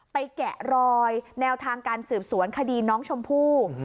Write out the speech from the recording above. แกะรอยแนวทางการสืบสวนคดีน้องชมพู่